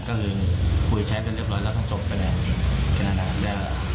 ก็คือคุยใช้ไปเรียบร้อยแล้วถ้าจบไปแล้วก็นานได้แหละ